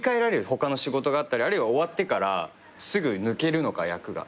他の仕事があったりあるいは終わってからすぐ抜けるのか役が。